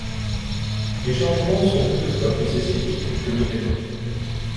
Les changements sont toutefois plus esthétiques que mécaniques.